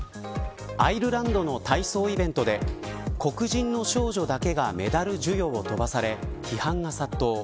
アイルランドの体操イベントで黒人の少女だけがメダル授与を飛ばされ批判が殺到。